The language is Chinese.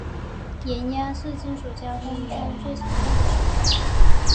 压延是金属加工中最常用的手段。